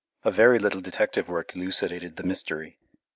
A very little detective work elucidated the mystery.